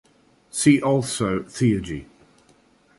See also Theurgy.